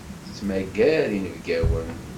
Tettmagar inebgawen.